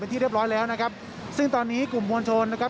ที่เรียบร้อยแล้วนะครับซึ่งตอนนี้กลุ่มมวลชนนะครับ